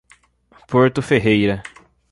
Porto Ferreira